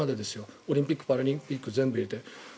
オリンピック、パラリンピック全部入れて。